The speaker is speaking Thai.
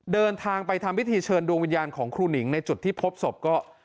เดินทางไปทำพิธีเชิญดวงวิญญาณของครูหนิงในจุดที่พบศพก็